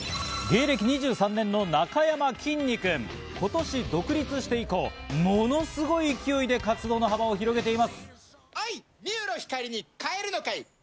芸歴２３年のなかやまきんに君、今年独立して以降、ものすごい勢いで活動の幅を広げています。